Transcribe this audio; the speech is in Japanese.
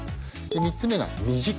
３つ目が短い。